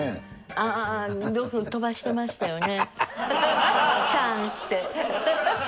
あよく飛ばしてましたよね。